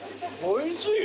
おいしい！